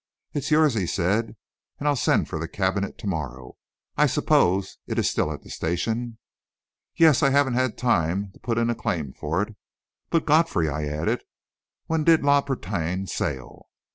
"It's yours," he said. "And I'll send for the cabinet to morrow. I suppose it is still at the station?" "Yes; I haven't had time to put in a claim for it. But, Godfrey," I added, "when did La Bretagne sail?"